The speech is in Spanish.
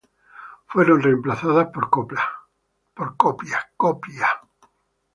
Fueron reemplazadas por copias.